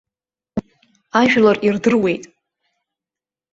Ажәлар ирдыруеит.